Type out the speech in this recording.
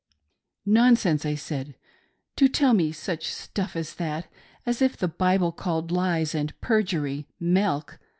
" Nonsense !" I said, " to tell me such stuff as that ! As if the Bible called lies and perjury 'milk!'